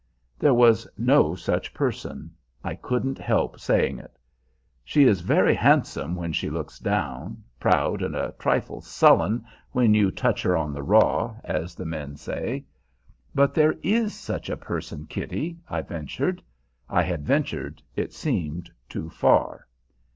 There was no such person. I couldn't help saying it. She is very handsome when she looks down, proud and a trifle sullen when you "touch her on the raw," as the men say. "But there is such a person, Kitty," I ventured. I had ventured, it seemed, too far.